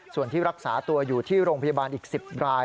ส่วนที่รักษาตัวอยู่ที่โรงพยาบาลอีก๑๐ราย